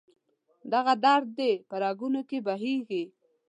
دغه درد دې په رګونو کې بهیږي